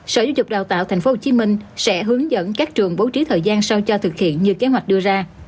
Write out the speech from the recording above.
sở giáo dục đào tạo tp hcm sẽ hướng dẫn các trường bố trí thời gian sao cho thực hiện như kế hoạch đưa ra